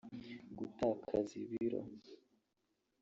Gutakaza ibiro